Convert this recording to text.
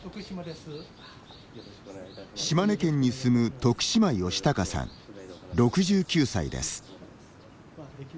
島根県に住む、徳島義孝さん６９歳です。